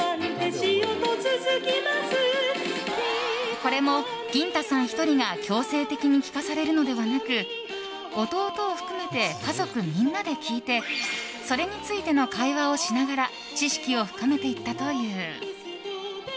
これも、ぎん太さん１人が強制的に聴かされるのではなく弟を含めて家族みんなで聴いてそれについての会話をしながら知識を深めていったという。